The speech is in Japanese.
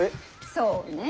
そうねえ。